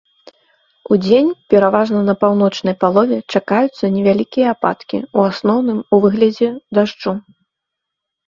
Удзень пераважна па паўночнай палове чакаюцца невялікія ападкі, у асноўным у выглядзе дажджу.